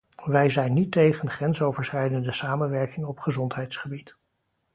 Wij zijn niet tegen grensoverschrijdende samenwerking op gezondheidsgebied.